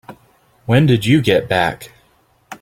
When did you get back?